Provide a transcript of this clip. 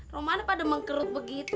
romana pada mengkerut begitu